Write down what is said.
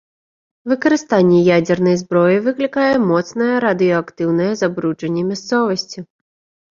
Выкарыстанне ядзернай зброі выклікае моцнае радыеактыўнае забруджанне мясцовасці.